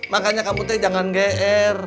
makanya kamu tuh jangan geer